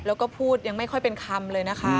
แล้วก็พูดยังไม่ค่อยเป็นคำเลยนะคะ